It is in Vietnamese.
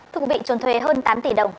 thưa quý vị trốn thuê hơn tám tỷ đồng